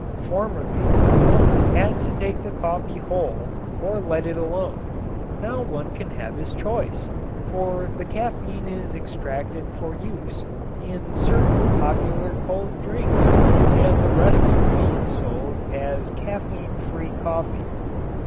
Formerly one had to take the coffee whole or let it alone. Now one can have his choice, for the caffein is extracted for use in certain popular cold drinks and the rest of the bean sold as caffein free coffee.